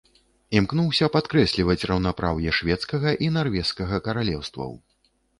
Імкнуўся падкрэсліваць раўнапраўе шведскага і нарвежскага каралеўстваў.